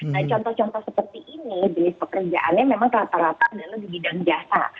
nah contoh contoh seperti ini jenis pekerjaannya memang rata rata adalah di bidang jasa